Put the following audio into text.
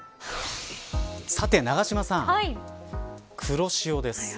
さて永島さん黒潮です。